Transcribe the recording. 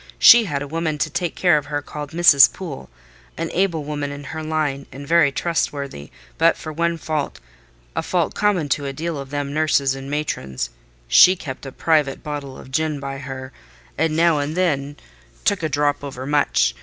She had a woman to take care of her called Mrs. Poole—an able woman in her line, and very trustworthy, but for one fault—a fault common to a deal of them nurses and matrons—she kept a private bottle of gin by her, and now and then took a drop over much.